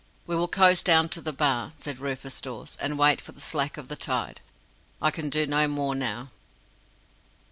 "We will coast down to the Bar," said Rufus Dawes, "and wait for the slack of the tide. I can do no more now."